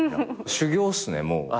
修業っすねもう。